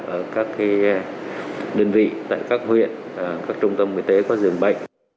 ở các cái đơn vị tại các huyện các trung tâm y tế có giường bệnh